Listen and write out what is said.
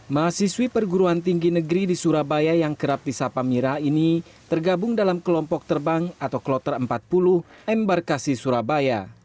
mahasiswi perguruan tinggi negeri di surabaya yang kerap disapa mira ini tergabung dalam kelompok terbang atau kloter empat puluh embarkasi surabaya